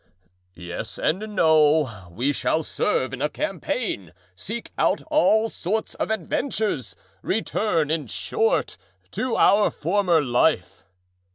"Yes and no. We shall serve in a campaign, seek out all sorts of adventures—return, in short, to our former life."